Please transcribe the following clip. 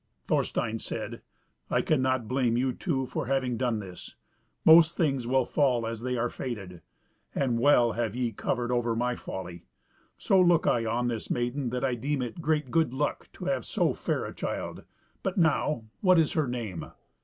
Thorstein said: "I cannot blame you two for having done this; most things will fall as they are fated, and well have ye covered over my folly: so look I on this maiden that I deem it great good luck to have so fair a child. But now, what is her name?"